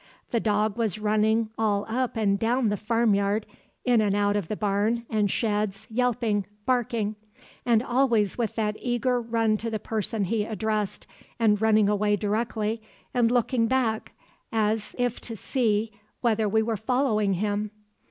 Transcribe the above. The dog was running all up and down the farmyard, in and out of the barn and sheds yelping, barking; and always with that eager run to the person he addressed, and running away directly, and looking back as, if to see whether we were following him.